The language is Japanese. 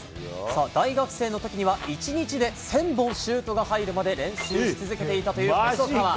さあ、大学生のときには１日で１０００本シュートが入るまで練習し続けていたという細川。